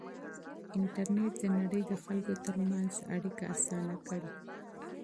انټرنېټ د نړۍ د خلکو ترمنځ اړیکه اسانه کړې.